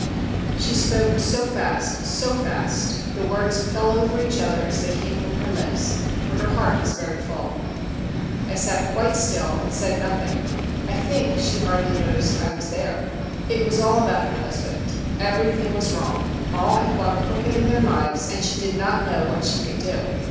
She spoke so fast, so fast; the words fell over each other as they came from her lips, for her heart was very full. I sat quite still and said nothing; I think she hardly noticed I was there. It was all about her husband. Everything was wrong; all had gone crooked in their lives, and she did not know what she could do.